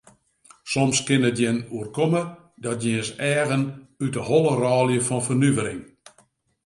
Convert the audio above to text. Soms kin it jin oerkomme dat jins eagen út de holle rôlje fan fernuvering.